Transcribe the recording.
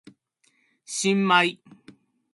新米